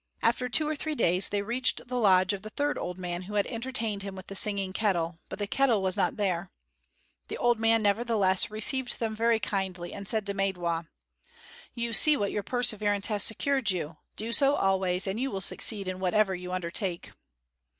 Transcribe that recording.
After two or three days they reached the lodge of the third old man who had entertained him with the singing kettle; but the kettle was not there. The old man, nevertheless, received them very kindly, and said to Maidwa: "You see what your perseverance has secured you; do so always, and you will succeed in whatever you undertake."